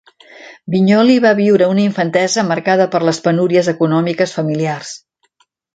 Vinyoli va viure una infantesa marcada per les penúries econòmiques familiars.